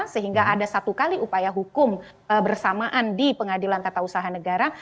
sehingga ada satu kali upaya hukum bersamaan di pengadilan tata usaha negara